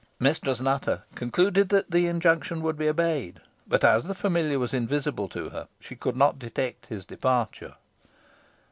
Mistress Nutter concluded that the injunction would be obeyed; but, as the familiar was invisible to her, she could not detect his departure.